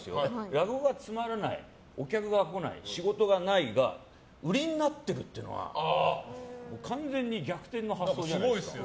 落語がつまらない仕事がない、客が来ないが売りになってくるというのは完全に逆転の発想じゃないですか。